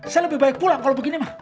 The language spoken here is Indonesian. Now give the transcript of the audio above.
saya lebih baik pulang kalau begini mah